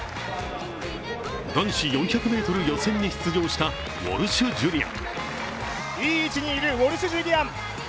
男子４００ｍ予選に出場したウォルシュ・ジュリアン。